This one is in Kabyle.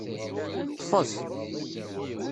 Ṭṭfet.